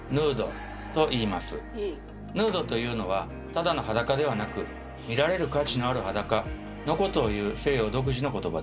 ヌードというのはただの裸ではなく「見られる価値のある裸」のことをいう西洋独自の言葉です。